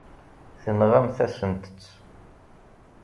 Tenɣamt-asent-tt.